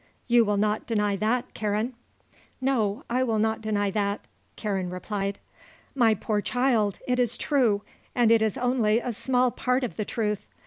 You will not deny that, Karen?" "No. I will not deny that," Karen replied. "My poor child it is true, and it is only a small part of the truth.